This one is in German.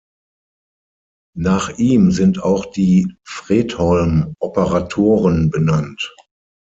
Nach ihm sind auch die Fredholm-Operatoren benannt.